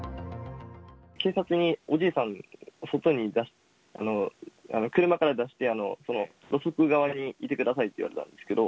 警察におじいさんを車から出してその路側にいてくださいと言われたんですけど。